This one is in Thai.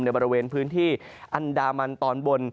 บริเวณพื้นที่อันดามันตอนบน